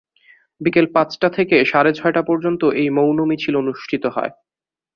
বিকেল পাঁচটা থেকে সাড়ে ছয়টা পর্যন্ত এই মৌন মিছিল অনুষ্ঠিত হয়।